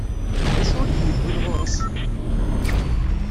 D acu i kem-iwwin ɣur-s?